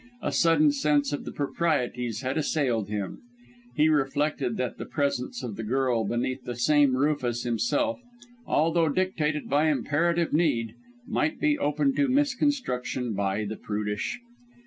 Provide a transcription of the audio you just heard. A sudden sense of the proprieties had assailed him; he reflected that the presence of the girl beneath the same roof as himself although dictated by imperative need might be open to misconstruction by the prudish.